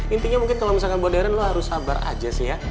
intinya kalau misalkan buat darren lo harus sabar aja sih ya